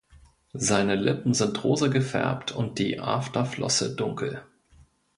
Seine Lippen sind rosa gefärbt und die Afterflosse dunkel.